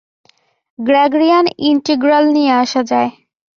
Gregorian integral নিয়ে আসা যায়।